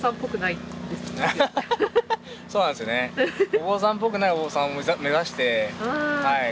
お坊さんっぽくないお坊さんを目指してはい